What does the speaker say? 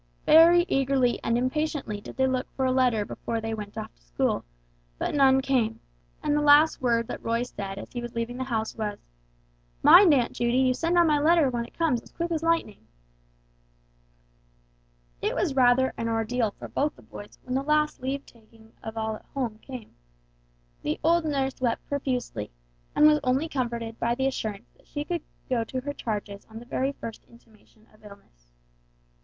Very eagerly and impatiently did they look for a letter before they went off to school, but none came; and the last word that Roy said as he was leaving the house was, "Mind, Aunt Judy, you send on my letter when it comes as quick as lightning!" It was rather an ordeal for both the boys when the last leave takings of all at home came. The old nurse wept profusely, and was only comforted by the assurance that she should go to her charges on the very first intimation of illness. Mrs.